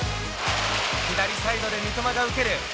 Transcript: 左サイドで三笘が受ける。